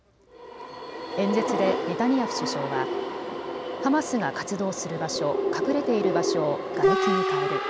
演説でネタニヤフ首相はハマスが活動する場所、隠れている場所をがれきに変える。